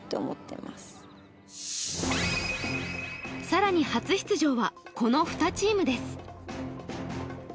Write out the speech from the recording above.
更に初出場は、この２チームです。